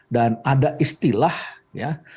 dan ada istilah ya